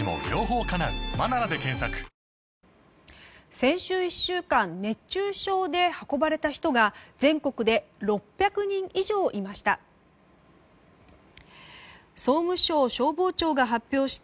先週１週間熱中症で運ばれた人が全国で６００人以上いました。